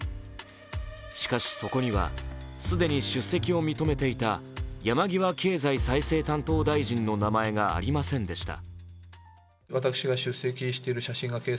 しかし、そこには既に出席を認めていた山際経済再生担当大臣の名前がありませんでした。